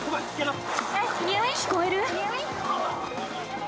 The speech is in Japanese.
聞こえる？